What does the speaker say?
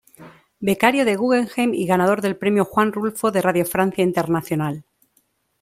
Becario Guggenheim y ganador del Premio Juan Rulfo de Radio Francia Internacional.